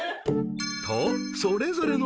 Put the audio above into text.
［とそれぞれの］